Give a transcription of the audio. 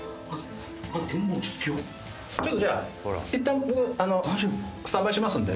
ちょっとじゃあいったん僕スタンバイしますので。